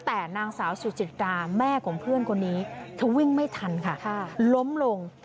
แต่นางสาวสุจิตาแม่ของเพื่อนคนนี้เธอวิ่งไม่ทันค่ะล้มลง